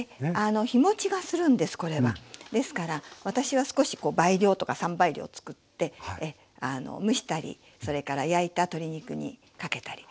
ですから私は少しこう倍量とか３倍量作って蒸したりそれから焼いた鶏肉にかけたり。